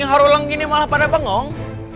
arang ini malah pada bangong